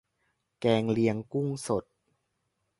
แกงเลียงกุ้งสด